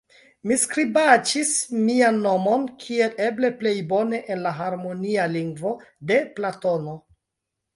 Mi skribaĉis mian nomon kiel eble plej bone en la harmonia lingvo de Platono.